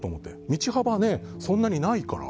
道幅がそんなにないから。